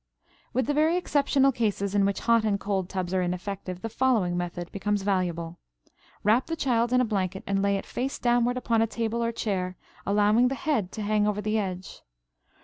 With the very exceptional cases in which hot and cold tubs are ineffective, the following method becomes valuable. Wrap the child in a blanket and lay it face downward upon a table or chair, allowing the head to hang over the edge.